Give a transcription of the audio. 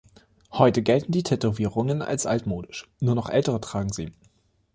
Heute gelten die Tätowierungen als altmodisch, nur noch Ältere tragen sie.